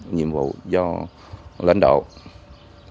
nhiệm vụ do lãnh đạo